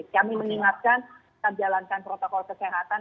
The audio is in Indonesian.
kami mengingatkan terjalankan protokol kesehatan